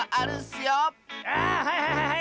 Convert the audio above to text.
あはいはいはい！